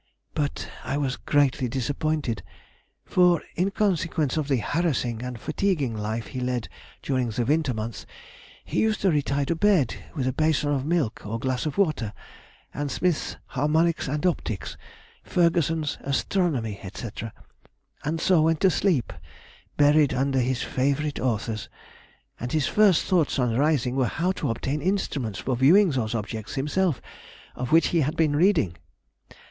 But, I was greatly disappointed; for, in consequence of the harassing and fatiguing life he had led during the winter months, he used to retire to bed with a bason of milk or glass of water, and Smith's 'Harmonics and Optics,' Ferguson's 'Astronomy,' &c., and so went to sleep buried under his favourite authors; and his first thoughts on rising were how to obtain instruments for viewing those objects himself of which he had been reading.